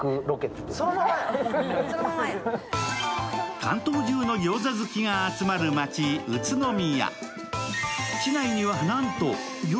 関東中の餃子好きが集まる街・宇都宮。